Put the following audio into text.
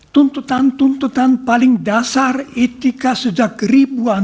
tuntutan tuntutan paling dasar etika sejak ribuan